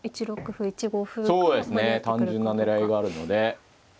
単純な狙いがあるので。